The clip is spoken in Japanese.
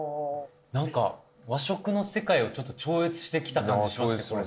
何か和食の世界をちょっと超越してきた感じしますね